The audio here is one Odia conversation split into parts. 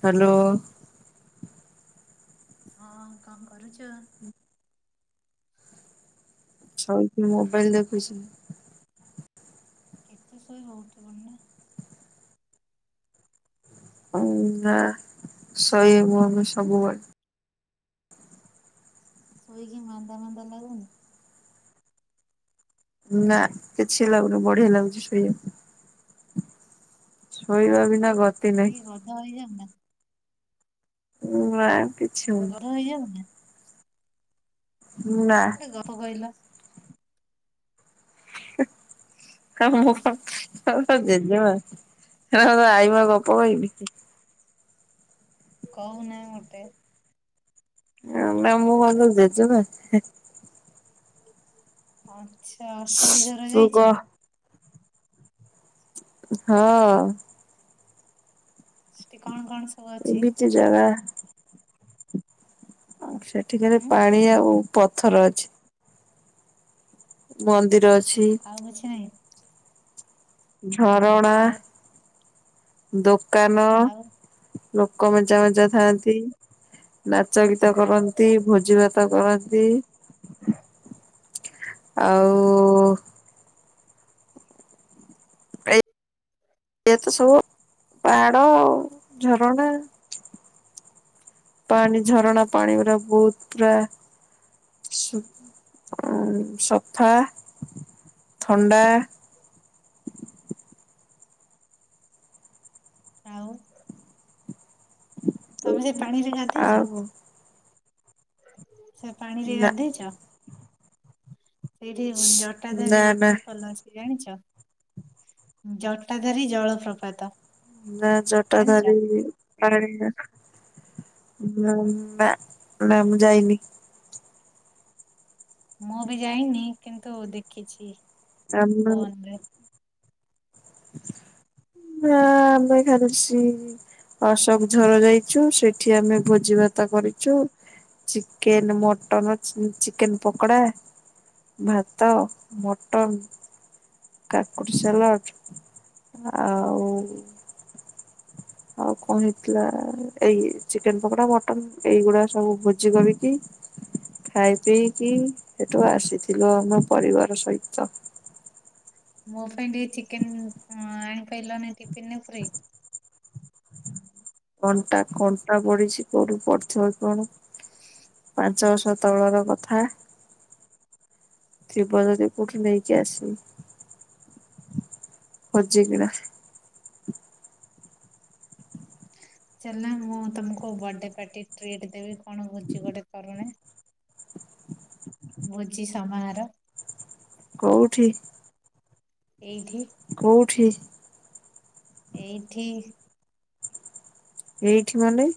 ହ୍ୟାଲୋ ହଁ କଣ କରୁଛ? ଶୋଇକି ମୋବାଇଲ ଦେଖୁଛି। କେତେ ଶୋଇବ ଉଠିପଡୁନ। ଉ ନା ଶୋଇବି ଆମେ ସବୁବେଳେ। ଶୋଇକି ମାନ୍ଦା ମାନ୍ଦା ଲାଗୁନି? ନା କିଛି ଲାଗୁନି ବଢିଆ ଲାଗୁଛି ଶୋଇବାକୁ। ଶୋଇବା ବିନା ଗତି ନାହିଁ ସଇ ଗଧ ହେଇଯାଆନ୍ତା। ନାଁ କି ଗରମ୍ ହେଇ ଯାଉନିନା। ନା କୁଆଡେ ଗଲ କହିଲ। ହଁ ତମ କୁହ ପାଖକୁ। ତୋ ଜେଜେମା ଆଉ କଣ ଆଈମା ଗପ କହିବି। କହୁନାହୁଁ ଗୋଟେ। ନାଁ ମୁଁ କଣ ତୋ ଜେଜେମା ହ୍ନେ। ଆଛା ଅଶୋକ ଝର ତୁ କହ ଯାଇଚ। ହଁ। ଷ୍ଟେ କଣ କଂସ ପବିତ୍ର ଜାଗା। ସେଠିକାର ହୁଁ ପାଣି ଆଉ ପଥର ଅଛି। ମନ୍ଦିର ଅ ଆଉ କିଛି ନାହିଁ। ଝରଣା ଆଉ ଦୋକାନ। ଆଉ ଲୋକ ମେଞ୍ଚା ମେଞ୍ଚା ଥାଆନ୍ତି। ନାଚ ଗୀତ କରନ୍ତି ଭୋଜି ଭାତ କରନ୍ତି। ଆଉ। ଏଇଆ ତ ସବୁ ପହଡ଼ ଆଉ ଝରଣା। ପାଣି ଝରଣା ପାଣି ଗୁରା ବହୁତ ପୁରା। ସୁ ଆଉ ସଫା। ଥଣ୍ଡା। ତମେ ସେ ପାଣିରେ ଗାଧେଇଚ। ଆଉ ସେ ପାଣିରେ ନା ଗାଧେଇଚ। ସେଇଠି ନା ଜଟାଧାରୀ ନା ୱାଟର ଫଲ ଅଛି ଜାଣିଚ। ଜଟାଧାରୀ ଜାଳ ପ୍ରପାତ। ନା ଜଟାଧାରୀ [inaudible] ନା ମୁଁ ଯାଇନି। ମୁଁ ବି ଯାଇନି କିନ୍ତୁ ଦେଖିଛି। ଆମେ ମାନେ। ଫୋନରେ। ଆମେ ଖାରିଚି। ଆଶୋକ୍ ଝର ଯାଇଛୁ ସେଠି ଆମେ ଭୋଜି ଭାତ କରିଛୁ। ଚିକେନ୍ ମଟନ ଚି ଚିକେନ ପକଡା। ଭାତ ମଟନ। କାକୁଡି ସାଲାଟ ଆଉ। ଆଉ କଣ ହେଇଥିଲା ଏଇ ଚିକେ ଚୀକେନ୍ ପକୋଡ଼ା ମଟନ୍ ଏଇଗୁଡ଼ା ସବୁ ଭୋଜି କରିକି। ଖାଇପି କି ହେଠୁ ଆସିଥିଲୁ ଆମ ପରିବାର ସହିତ। ମୋ ପାଈଁ ଟିକେ ଚିକେନ୍ ଉଁ ଆଣି ପାଇଲନି ଟିପିନ ରେ ପୁରେଇକି। କଣ୍ଟା କଣ୍ଟା ବଢିଛି କୋଉଠି ପଡ଼ିଥିବ କି କଣ। ପାଞ୍ଚ ବର୍ଷ ତଳର କଥା। ଥିବ ଯଦି କୋଉଠି ନେଇଜା ଆସିକି। ଖୋଜିକିନା। ଚାଲୁନା ମୁଁ ତମକୁ ବାଡେ ଟ୍ରିଟ ଦେବି କଣ ଭୋଜି ଗୋଟେ କରୁନ। ଭୋଜି ସମାହାରୋ। କୋଉଠି। ଏଇଠି। କୋଉଠି। ଏଇଠି। ଏଇଠି ମାନେ।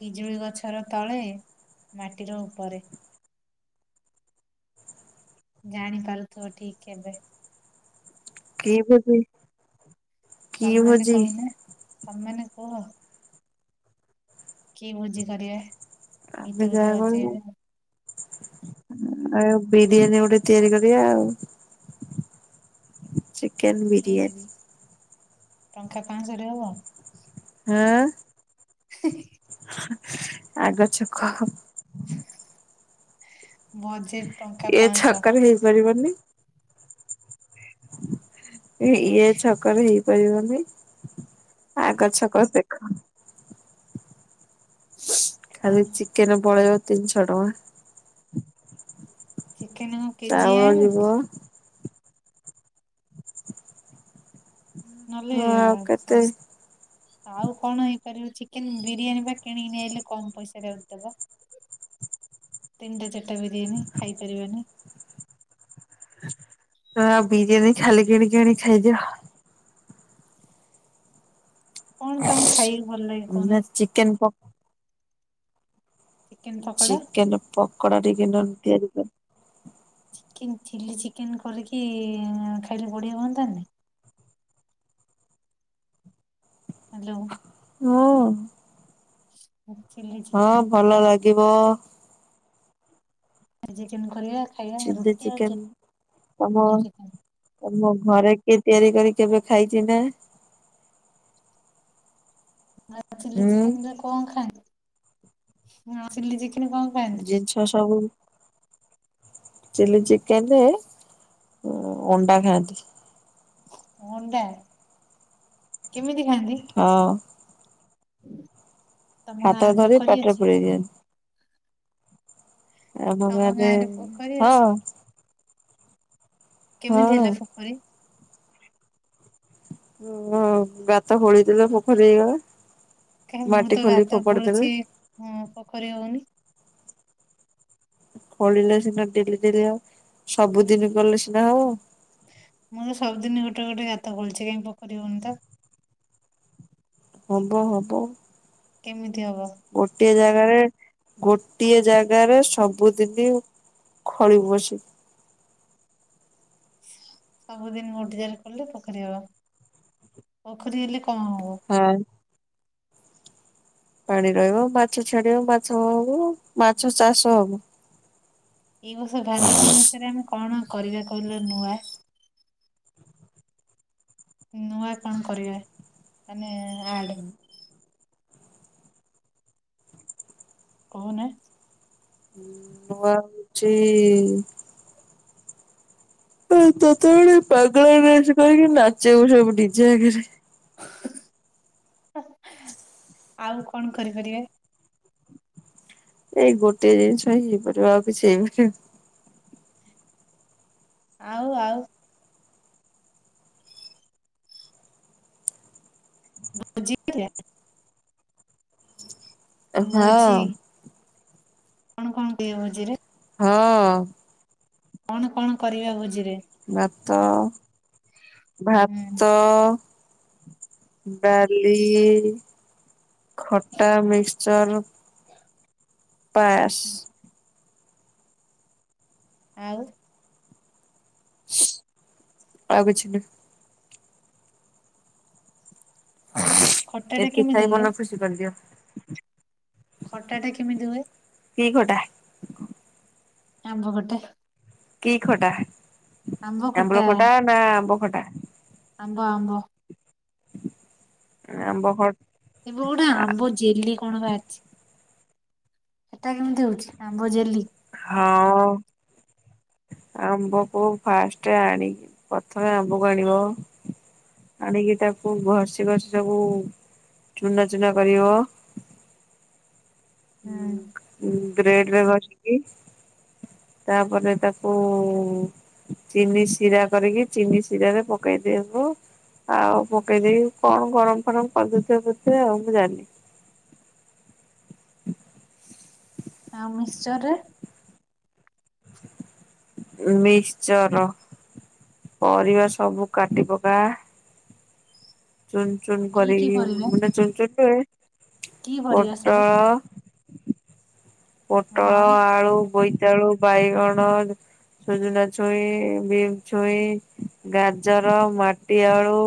ପିଜୁଳି ଗଛର ତଳେ ମାଟିର ଉପରେ। ଜାଣିପାରୁଥିବ ଠିକ କେବେ? [unintelligible] ତମେମାନେ ଭୋଜି କହୁନ ତମେମାନେ କୁହ। କି ଭୋଜି କରିବା? ଆମେ ଗୀତ ଫିତ ଯାହା କହିବୁ। ବଜେଇବେ ଆଉ ବିରିୟାନୀ ଗୋଟେ ତିଆରି କରିବା ଆଉ। ଚିକେନ କି ବିରିୟାନୀ। ଟଙ୍କା ପାଁଶହରେ ହବ। ଆଁ [inaudible] ଆଗଛକ। ବଜେ ଏ ଛକରେ ହେଇପାରିବନି। ଇଏ ଛକରେ ହେଇପାରିବନି। ଆଗ ଛକ ଦେଖ। ଖାଲି ଚିକେନ ପଳେଇବ ତିନିଶହ ଟଙ୍କା। ଚିକେନ କେଜିଏ ଚାଉଳ ଆଣ ଯିବ। ନହେଲେ ହଁ ଆଉ କେତେ ଆଉ କଣ ହେଇପାରିବ ଚିକେନ ବିରିୟାନୀ ବା କିଣିକି ନେଇ ଆସିଲେ କମ ପଇସାରେ ଦବ। ତିନିଟା ଚାରିଟା ବିରିୟାନୀ ଖାଇପାରିବାନି। ବିରିୟାନୀ ଖାଲି କିଣି କିଣି ଖାଇଦିଅ। କଣ ତମ ଖାଇ ନା ଚିକେନ ପକ ଚିକେନ ପକୋଡା ଚିକେନ ପକୋଡା ଟିକେ ନ ହେଲେ ତିଆରି କରି ଚିକେନ ଚିଲ୍ଲି ଚିକେନ କରିକି ଖାଇଲେ ବଢିଆ ହୁଅନ୍ତାନି। [inaudible] ହ୍ୟାଲୋ। ହଁ। ଚିଲ୍ଲି ହଁ ଚିକେନ। [unintelligible] ଆ ଚିକେନ କରିବା। ଖାଇବା ଚିଲ୍ଲି ରୁଟି ଆଉ ଚିକେନ ତମ ଚିଲି ଚିକେନ ତମ ଘରେ କିଏ ତିଆରି କରି କେବେ ଖାଇଚି ନା। ଚିଲ୍ଲି ହୁଁ ଚିକେନରେ କଣ ଖାଆନ୍ତି? କଣ ଖାଆନ୍ତି ଜିନିଷ ସବୁ ଚିଲ୍ଲି ଚିକେନ ଅଣ୍ଡା ଖାନ୍ତି। ଅଣ୍ଡା କେମିତି ଖାନ୍ତି? ହଁ ହାତରେ ଧରି ପାଟିରେ ପୁରେଇ ଦିଅନ୍ତି। ଆମ ଗାଁ ତମ ରେ ଗାଁରେ ପୋଖରୀ ହଁ। ଅଛି କେମିତି ହଁ ହେଲା ପୋଖରୀ? ଓ ଗାତ ଖୋଳି ଦେବେ ପୋଖରୀ ହେଇଗଲା। କାଇଁ ମୁଁ ମାଟି ତ ଖୋଲି ଗାତ ଫୋପାଡି ଦେଲେ ଖୋଳୁଛି ଉଁ ପୋଖରୀ ହଉନି। ଖୋଳିଲେ ସିନା ଡେଲି ଡେଲି ସବୁଦିନ କଲେ ସିନା ହବ। ମୋର ସବୁଦିନ ଗୋଟେ ଗୋଟେ ଗାତ ଖୋଲିଛି କାଇଁ ପୋଖରୀ ହଉନି ତ। ହବ ହବ। କେମିତି ହବ। ଗୋଟିଏ ଯାଗ ଜାଗାରେ ଗୋଟିଏ ଜାଗାରେ ସବୁଦିନ ଖୋଳିବୁ ଆସି [inaudible] ସବୁଦିନ ଗୋଟ ଜାଗାରେ କଲେ ପୋଖରୀ ହବ। ପୋଖରୀ ହେଲେ କଣ ହବ? ହଁ ପାଣି ରହିବ ମାଛ ଛାଡିବ ମାଛ ହବ। ମାଛ ଚାଷ ହବ। ଏଇ ବର୍ଷ ଭାଲୁକୁଣୀ ଓଷାରେ ଆମେ କଣ କରିବା କହିଲ ନୂଆ? ନୂଆ କଣ କରିବା ମାନେ ଆଡ୍? କହୁନ। ନୂଆ ହଉଛି ଏ ତତେ ଗୋଟେ ପାଗଳା ଡ୍ରେସ୍ କରିକି ନାଚିବ ସବୁ ଡିଜେ ଆଗରେ। ହା ଆଉ କଣ କରିପାରିବେ? ଏଇ ଗୋଟେ ଜିନିଷ ହେଇପାରିବ। ଆଉ କିଛି ହେଇପାରିବ ଆଉ ଆଉ ଭୋଜି କରିବା? ଏ ହଁ। ଭୋଜି କଣ କଣ ହୁଏ ଭୋଜିରେ? ହଁ। କଣ କଣ କରିବା ଭୋଜି ବାତ, ହୁଁ ଭାତ ଡାଲି ଖଟା, ମିକ୍ସଚର୍, ପାସ୍ ଆଉ ଆଉ କିଛି ନା। ଖଟା ଟା ଏଥି କେମିତି ଖାଇ ହୁଏ ମନ ଖୁସି କରିଦିଅ। ଖଟା ଟା କେମିତି ହୁଏ? କି ଖଟା? ଆମ୍ବ ଖଟା। କି ଖଟା ଆମ୍ବୁଲ ଖଟା ନା ଆମ୍ବ ଖ ଆମ୍ବ, ଆମ୍ବ। ଆମ୍ବ ଖ ଏବେ ଗୋଟେ ଆମ୍ବ ଜେଲି କଣ ବାହାରିଚି? ସେଟା କେମିତି ହଉଛି ଆମ୍ବ ଜେଲି? ହଁ। ଆମ୍ବକୁ ଫାଷ୍ଟ ଆଣି। ପ୍ରଥମେ ଆମ୍ବକୁ ଆଣିବ ଆଣିକି ତାକୁ ଘଷି ଘଷି ସବୁ ଚୁନା ଚୁନା କରିବ। ହୁଁ, ଉଁ, ଗ୍ରେଡ୍ ରେ ଘଷିକି ତାପରେ ତାକୁ ଚିନି ଶିରା କରିକି ଚିନି ଶିରରେ ପକେଇ ଦେବ। ଆଉ ପକେଇଦେଇକି କଣ ଗରମ ଫରମ କରିଦଉଥିବେ ବୋଧେ ଆଉ ମୁଁ ଜାଣିନି। [inaudible] ଆଉ ମିଶ୍ଚର୍ ରେ? ମିଶ୍ଚର ପରିବା ସବୁ କାଟି ପକା। ଚୁନ ଚୁନ କି କି କରିକି ପରିବା ମାନେ ଚୁନ ଚୁନ ନୁହେଁ। କି ପରିବା ପୋଟଳ ସବୁ ପୋଟଳ, ହଁ ଆଳୁ, ବୋଇତାଳୁ, ବାଇଗଣ ସୁଜୁନା ଛୁଇଁ, ବିମ ଛୁଇଁ, ଗାଜର, ମାଟି ଆଳୁ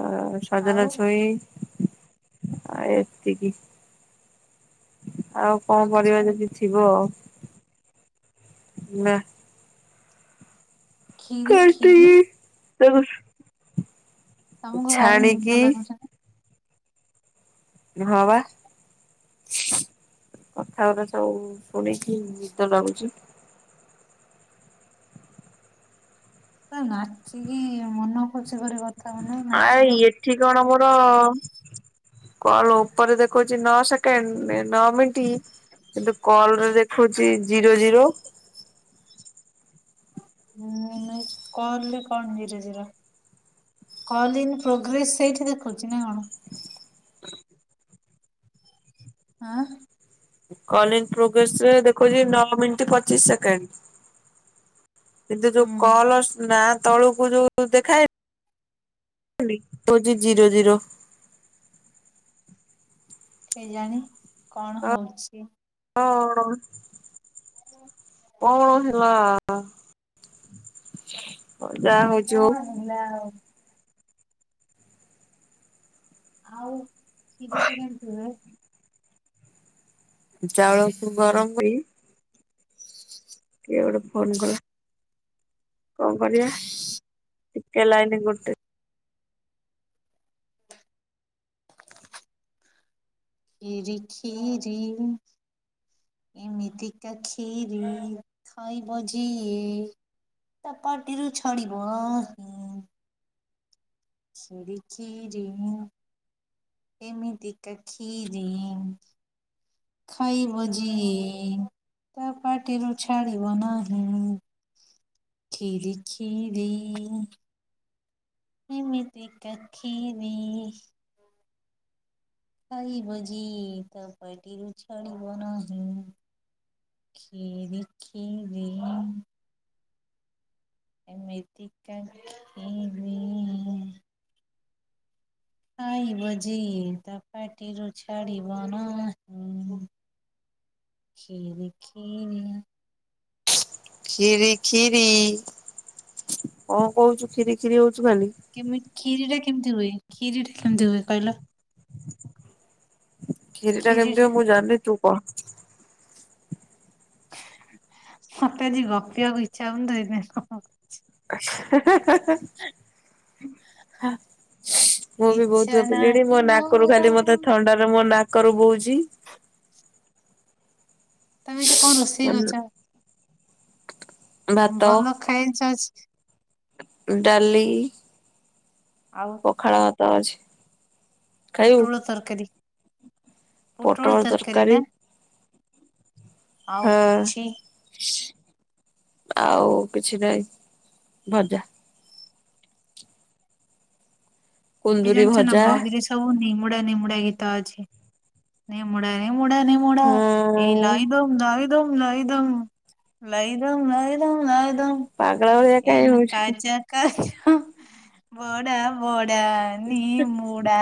ଆ, ସଜନା ଆଉ ଛୁଇଁ ଆ, ଏତିକି। ଆଉ କଣ କିଛି ପରିବା ପଡେନି ଯଦି ଥିବ ନା। ଖିରି, ଖିରି କାଟିକି ତାକୁ ତମକୁ ଭାରି ନିଦ ଛାଣିକି ଲାଗୁଛି ନା ହଁ ବା। କଥା ଗୁଡା ସବୁ ଶୁଣିକି ନିଦ ଲାଗୁଚି। [inaudible] ନାଚିକି ମନ ଖୋସି କରି କଥା କ ନା ନାଚିଲ ହ ମୋର କଣ ଉପରେ ଦେଖଉଛି ନଅ ସେକେଣ୍ଡ ନଅ ମିନିଟ୍। କିନ୍ତୁ କଲରେ ଦେଖୁଛି ଜିରୋ ଜିରୋ। ହୁଁ ନ କହିଲ କଣ zero zero? Call in progress ସେଇଠି ଦେଖାଉଛି ନା କଣ? ହଁ। କ ପ୍ରୋଗ୍ରେସରେ ଦେଖଉଛି ନଅ ମିନିଟ ପଚିଶ ସେକେଣ୍ଡ। କିନ୍ତୁ ଯୋଉ ହୁଁ କଲ ନା ତଳୁକୁ ଯୋଉ ଦେଖାଏନି କୋହୁଚି ଜିରୋ ଜିରୋ। କେଜାଣି କଣ ହଉଛି? କଣ କଣ ହେଲା? ମ ଯାହା ହଉଛି ହୋଉ କଣ ହେଲା ଆଉ ଆଉ କ୍ଷୀରିଟା କେମତି ହୁଏ? ଚାଉଳ କୁ ଗରମ ହୋଇ କିଏ ଗୋଟେ ଫୋନ କଲା କଣ କରିବା? ଟିକେ ଲାଇନ୍ ଗୋଟେ କ୍ଷୀରି କ୍ଷୀରି। ଏମିତିକା କ୍ଷୀରି ଖାଇବ ଯିଏ। ତା ପାଟିରୁ ଛାଡିବ ନାହିଁ। [unintelligible] ଏମିତି କା କ୍ଷୀରି। ଖାଇ ଭୋଜି ଏ ତା ପାଟିରୁ ଛାଡିବ ନାହିଁ। କ୍ଷୀରି କ୍ଷୀରି। ଏମିତି କା କ୍ଷୀରି ଖାଇବ ଯିଏ ତା ପାଟିରୁ ଛାଡିବ ନାହିଁ। କ୍ଷୀରି କ୍ଷୀରି। ଏମିତି କା କ୍ଷୀରି ଖାଇବ ଯିଏ ତା ପାଟିରୁ ଛାଡିବ ନାହିଁ। କ୍ଷୀରି କ୍ଷୀରି। କ୍ଷୀରି କ୍ଷୀରି କଣ କହୁଛୁ କ୍ଷୀରି କ୍ଷୀରି ହଉ କେମ କ୍ଷୀରିଟା କେମିତି ହୁଏ କ୍ଷୀରି ଟା କେମିତି ହୁଏ କହିଲ? କ୍ଷିରୀ ଟା କେମିତି ହୁଏ ଖିରିରେ ମୁଁ ଜାଣିନି ତୁ କହ। ମତେ ଆଜି ଗପିବାକୁ ଇଚ୍ଛା ହଉନି ତ ସେଥିପାଇଁ [unintelligible] ହ ମୁଁ ବି ଇଚ୍ଛା ବହୁତ ଗପିଲିଣି ନାହିଁ ମୋ ନାକରୁ ମୋର ଖାଲି ମତେ ଥଣ୍ଡାରେ ମୋ ନାକ କରୁ ବୋହୁଛି। ତମେ ଯେ କଣ ରୋଷେଇ କରିଛ? ଭାତ ଭଲ ଖାଇଚ ଆଜି। ଡାଲି। ଆଉ ପଖାଳ ଭାତ ଅଛି। ଖାଇବୁ? ପୋଟଳ ତରକାରୀ। ପୋଟଳ ତରକାରୀ। ଆଉ ହଁ କିଛି ଆଉ କିଛି ନାହିଁ ଭଜା। ଏ ବି କୁନ୍ଦୁରି ଜାଣିଛ ନା ଭଜା ଭଗିରେ ସବୁ ନିମୁଡା ନିମୁଡା ଗୀତ ଆଜି ନିମୁଡ଼ା ମଡ଼ା ନ ମଡ଼ା ଏଇ ହଁ ଲାଇ ଦମ ଲାଇ ଦମ ଲାଇ ଦମ ଲାଇ ଦମ ଲାଇ ଦ ଆ ଆଉଦ ପାଗଳା ଭଳିଆ କାଇଁ ଏ ହଉଛୁ। କାଚା କାଚା ହଁ ବଡ଼ା ବଡ଼ା ନିମୁଡ଼ା।